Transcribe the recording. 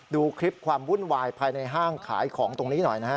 ดูคลิปความวุ่นวายภายในห้างขายของตรงนี้หน่อยนะฮะ